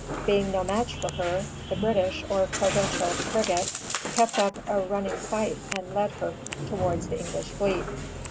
Being no match for her, the British or provincial frigate kept up a running fight and led her towards the English fleet.